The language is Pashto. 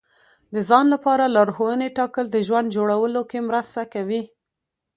د ځان لپاره لارښوونې ټاکل د ژوند جوړولو کې مرسته کوي.